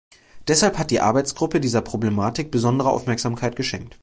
Deshalb hat die Arbeitsgruppe dieser Problematik besondere Aufmerksamkeit geschenkt.